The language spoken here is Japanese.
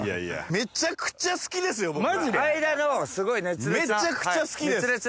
めっちゃくちゃ好きです！